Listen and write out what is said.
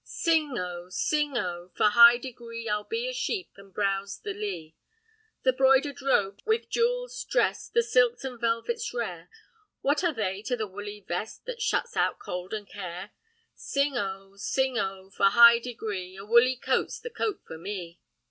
Sing oh! sing oh! for high degree, I'd be a sheep, and browse the lee. "The 'broidered robe with jewels drest, The silks and velvets rare, What are they to the woolly vest That shuts out cold and care? Sing oh! sing oh! for high degree, A woolly coat's the coat for me.